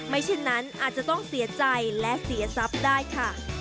เช่นนั้นอาจจะต้องเสียใจและเสียทรัพย์ได้ค่ะ